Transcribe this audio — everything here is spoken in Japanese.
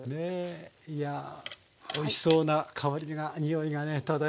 いやおいしそうな香りが匂いがね漂ってますねもうね。